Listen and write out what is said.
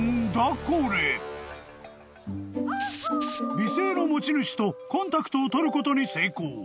［美声の持ち主とコンタクトを取ることに成功］